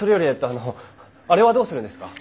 あのあれはどうするんですか？